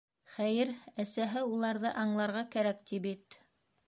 Хәйер, әсәһе «уларҙы аңларға кәрәк» ти бит.